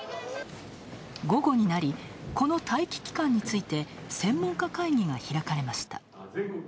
午後になり、この待機期間について専門家会議が開かれました。